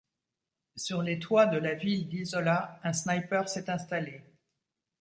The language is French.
Sur les toits de la ville d'Isola, un sniper s'est installé.